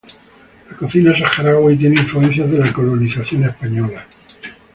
La cocina saharaui tiene influencias de la colonización española.